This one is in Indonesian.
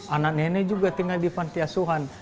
anak nenek juga tinggal di pantiasuhan